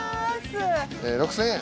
６，０００円。